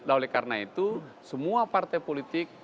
oleh karena itu semua partai politik